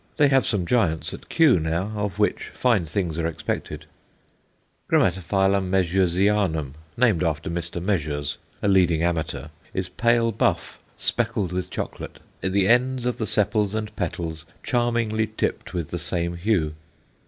They have some giants at Kew now, of which fine things are expected. G. Measureseanum, named after Mr. Measures, a leading amateur, is pale buff, speckled with chocolate, the ends of the sepals and petals charmingly tipped with the same hue.